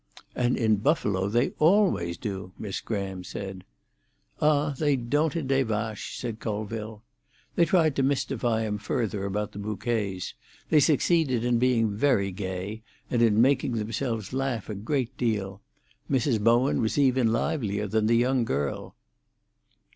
"And in Buffalo they always do," Miss Graham added. "Ah! they don't in Des Vaches," said Colville. They tried to mystify him further about the bouquets; they succeeded in being very gay, and in making themselves laugh a great deal. Mrs. Bowen was even livelier than the young girl.